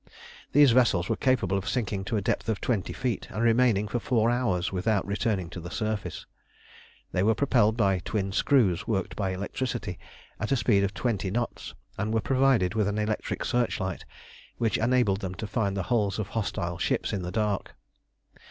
These vessels were capable of sinking to a depth of twenty feet, and remaining for four hours without returning to the surface. They were propelled by twin screws worked by electricity at a speed of twenty knots, and were provided with an electric searchlight, which enabled them to find the hulls of hostile ships in the dark.